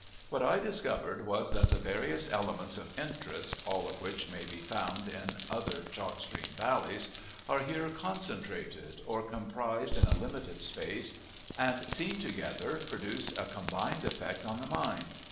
What I discovered was that the various elements of interest, all of which may be found in other chalk stream valleys, are here concentrated, or comprised in a limited space, and seen together produce a combined effect on the mind.